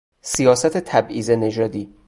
سیاست تبعیض نژادی